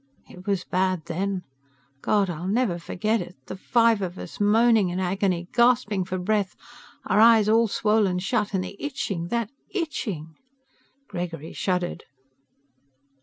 It was bad then. God, I'll never forget it! The five of us, moaning in agony, gasping for breath, our eyes all swollen shut, and the itching ... that itching." Gregory shuddered.